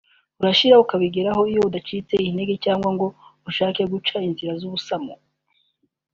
urashyira ukabigeraho iyo udacitse intege cyangwa ngo ushake guca inzira y’ubusamo